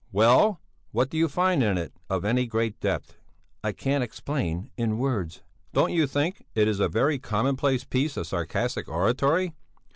Well, what do you find in it of any great depth?" "I can't explain in words...." "Don't you think it a very commonplace piece of sarcastic oratory?